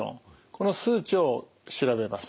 この数値を調べます。